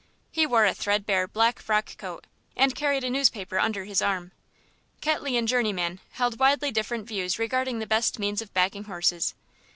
He wore a threadbare black frock coat, and carried a newspaper under his arm. Ketley and Journeyman held widely different views regarding the best means of backing horses.